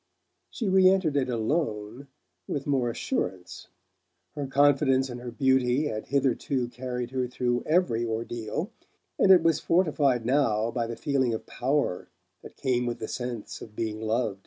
She re entered it alone with more assurance. Her confidence in her beauty had hitherto carried her through every ordeal; and it was fortified now by the feeling of power that came with the sense of being loved.